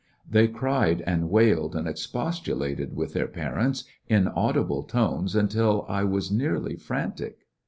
They cried and wailed and expostu lated with their parents in audible tones until I was nearly frantic.